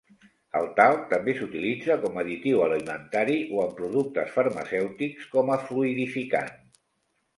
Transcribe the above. El talc també s'utilitza com additiu alimentari o en productes farmacèutics com a fluïdificant.